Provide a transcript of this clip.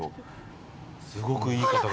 すごくいい方々。